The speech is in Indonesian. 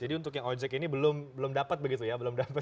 jadi untuk yang ojek ini belum dapat begitu ya